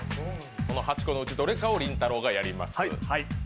この８個のうちどれかをりんたろーがやります。